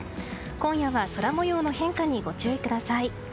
今夜は空模様の変化にご注意ください。